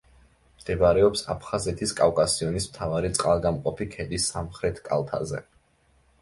მდებარეობს აფხაზეთის კავკასიონის მთავარი წყალგამყოფი ქედის სამხრეთ კალთაზე.